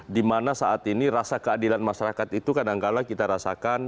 dimana saat ini rasa keadilan masyarakat itu kadangkala kita rasakan